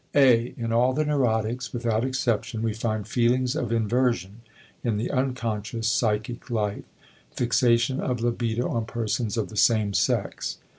(a) In all the neurotics without exception we find feelings of inversion in the unconscious psychic life, fixation of libido on persons of the same sex.